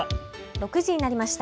６時になりました。